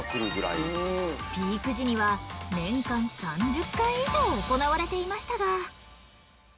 ピーク時には年間３０回以上行われていましたが。